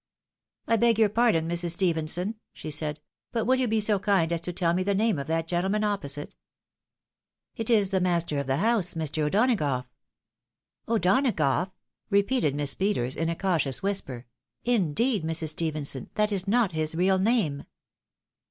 "Ibegyourpardon, Mrs. Stephenson," she said, "but will you be so kind as to tell me the name of that gentleman opposite ?"" It is the master of the house — Mr. O'Donagough." " O'Donagough? " repeated Miss Peters in a cautious whis per. " Indeed, Mrs. Stephenson, that is not his real name."